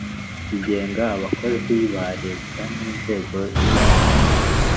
igenga abakozi ba Leta n Inzego z Imirimo